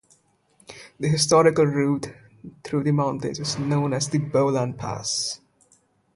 The historical route through the mountains is known as the Bolan Pass.